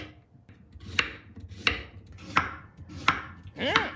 うん？